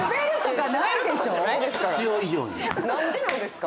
何でなんですか！？